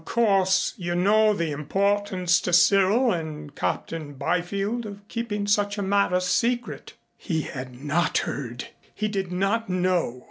"Of course, you know the importance to Cyril and Captain Byfield of keeping such a matter secret." He had not heard! He did not know!